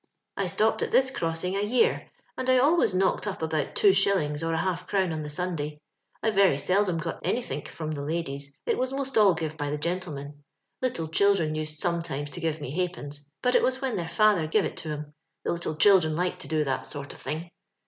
I stopped at this crossing a year, and I always knocked up about two shillings or a half crown on the Sunday. I very seldom got anythink from the ladies ; it was most all give by the gentlemen. Little children used sometimes to give me ha'pence, but it was when their faUier give it to 'em ; the little children like to do that sort of thing.